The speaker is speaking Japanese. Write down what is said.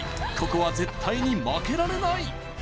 ここは絶対に負けられない！